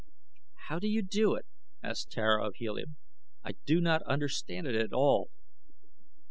"How do you do it?" asked Tara of Helium. "I do not understand it at all."